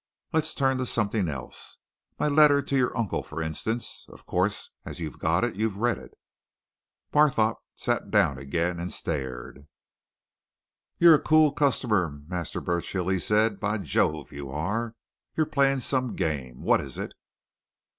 Let's turn to something else. My letter to your uncle, for instance. Of course, as you've got it, you've read it." Barthorpe sat down again and stared. "You're a cool customer, Master Burchill!" he said. "By Jove, you are! You're playing some game. What is it?"